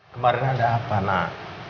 kemarin ada apa nak